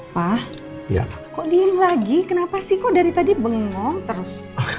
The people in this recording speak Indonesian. pak kok diem lagi kenapa sih kok dari tadi bengong terus